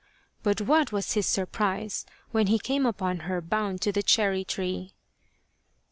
But what was his surprise when he came upon her bound to the cherry tree.